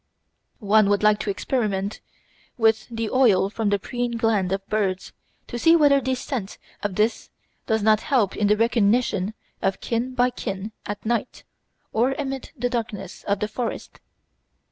One would like to experiment with the oil from the preen gland of birds to see whether the scent of this does not help in the recognition of kin by kin at night or amid the darkness of the forest.